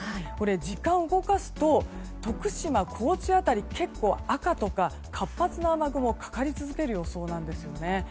時間を動かすと徳島、高知辺り結構、赤とか活発な雨雲がかかり続ける予想なんですね。